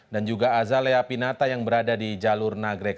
dan juga azalea pinata yang berada di jalur nagrek